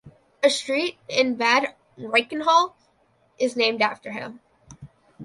A street in Bad Reichenhall is named after him.